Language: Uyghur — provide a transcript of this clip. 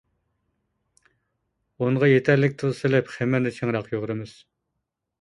ئۇنغا يېتەرلىك تۇز سېلىپ، خېمىرنى چىڭراق يۇغۇرىمىز.